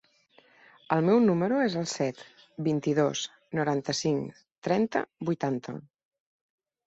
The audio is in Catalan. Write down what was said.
El meu número es el set, vint-i-dos, noranta-cinc, trenta, vuitanta.